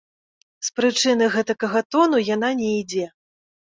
З прычыны гэтакага тону яна не ідзе.